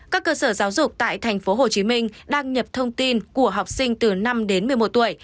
các cơ sở giáo dục tại thành phố hồ chí minh đang nhập thông tin của học sinh từ năm đến một mươi một tuổi